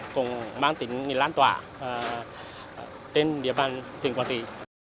cùng mang tỉnh nghị lan tỏa đến địa bàn tỉnh quảng trị